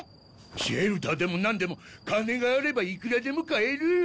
シェルターでもなんでも金があればいくらでも買える！